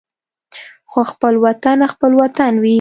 خو خپل وطن خپل وطن وي.